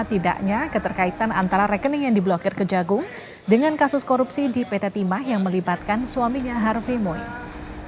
tidaknya keterkaitan antara rekening yang diblokir kejagung dengan kasus korupsi di pt timah yang melibatkan suaminya harvi mois